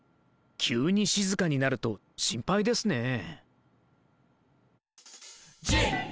急に静かになると心配ですね。